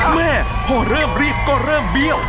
แม่พอเริ่มรีบก็เริ่มเบี้ยว